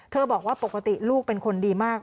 บอกว่าปกติลูกเป็นคนดีมาก